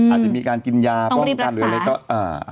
อาจจะมีการกินยาป้องกันต้องบริปรักษา